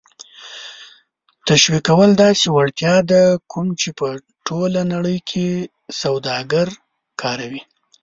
تشویقول داسې وړتیا ده کوم چې په ټوله نړۍ کې سوداګر کاروي.